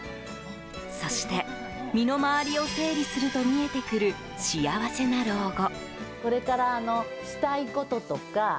そして、身の回りを整理すると見えてくる、幸せな老後。